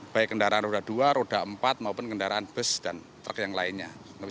baik kendaraan roda dua roda empat maupun kendaraan bus dan truk yang lainnya